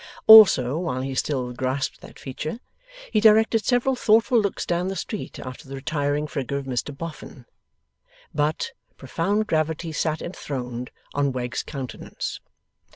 Also, while he still grasped that feature, he directed several thoughtful looks down the street, after the retiring figure of Mr Boffin. But, profound gravity sat enthroned on Wegg's countenance.